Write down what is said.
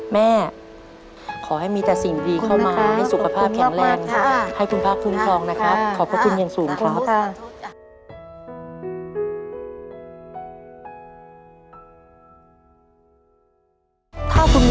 แม่ขอให้มีแต่สิ่งดีเข้ามาให้สุขภาพแข็งแรงให้คุณพระคุ้มครองนะครับขอบพระคุณอย่างสูงครับ